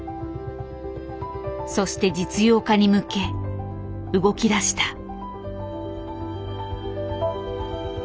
そして実用化に向け動きだした。